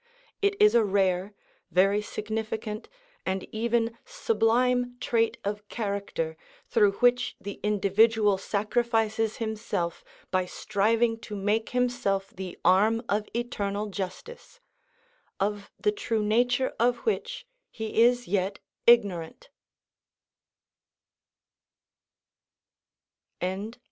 It is a rare, very significant, and even sublime trait of character through which the individual sacrifices himself by striving to make himself the arm of eternal justice, of the true nature of which he is yet ignorant.